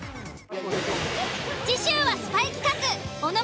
次週はスパイ企画。